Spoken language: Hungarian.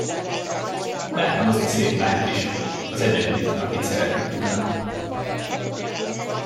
Láttam azt a szép lányt is, az egyedülit, akit szeretni tudna.